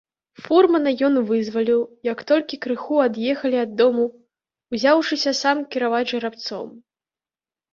Фурмана ён вызваліў, як толькі крыху ад'ехалі ад дому, узяўшыся сам кіраваць жарабцом.